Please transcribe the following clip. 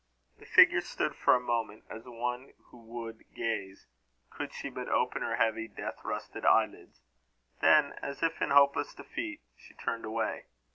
The figure stood for a moment, as one who would gaze, could she but open her heavy, death rusted eyelids. Then, as if in hopeless defeat, she turned away.